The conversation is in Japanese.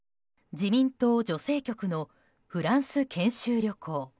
自民党女性局のフランス研修旅行。